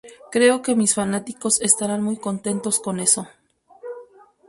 Creo que mis fanáticos estarán muy contentos con eso.